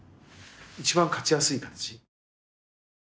一番勝ちやすい形。